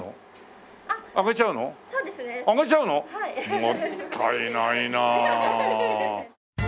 もったいないなあ。